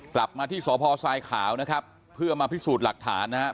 กลับมาที่สพทรายขาวนะครับเพื่อมาพิสูจน์หลักฐานนะครับ